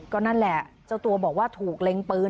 ก็นั่นแหละเจ้าตัวบอกว่าถูกเล็งปืน